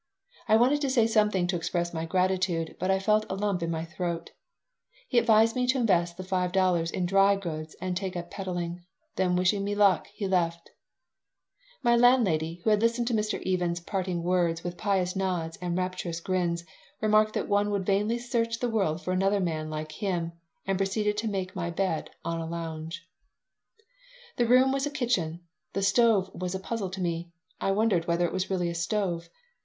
I wanted to say something to express my gratitude, but I felt a lump in my throat He advised me to invest the five dollars in dry goods and to take up peddling. Then, wishing me good luck, he left My landlady, who had listened to Mr. Even's parting words with pious nods and rapturous grins, remarked that one would vainly search the world for another man like him, and proceeded to make my bed on a lounge The room was a kitchen. The stove was a puzzle to me. I wondered whether it was really a stove.